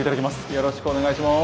よろしくお願いします。